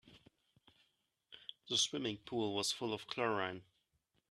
The swimming pool was full of chlorine.